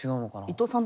伊藤さん